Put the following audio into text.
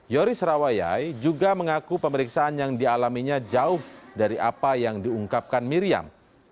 yoris rawayai juga mengaku pemeriksaan yang dialaminya jauh dari apa yang diungkapkan miriam